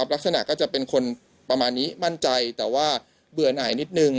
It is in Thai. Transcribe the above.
ลักษณะก็จะเป็นคนประมาณนี้มั่นใจแต่ว่าเบื่อหน่ายนิดนึง